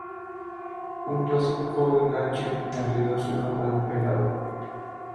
Un clásico enganche, habilidoso y con buena pegada.